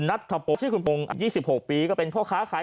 คนที่เราเห็นในภาพเนี่ยคือ